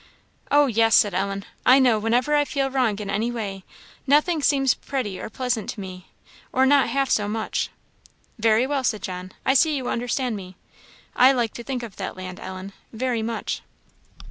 "Oh, yes!" said Ellen. "I know, whenever I feel wrong in any way, nothing seems pretty or pleasant to me, or not half so much." "Very well," said John "I see you understand me. I like to think of that land, Ellen very much."